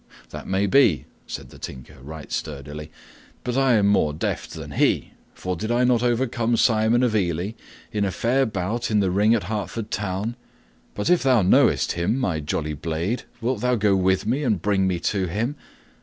"That may be," said the Tinker right sturdily, "but I am more deft than he, for did I not overcome Simon of Ely in a fair bout in the ring at Hertford Town? But if thou knowest him, my jolly blade, wilt thou go with me and bring me to him?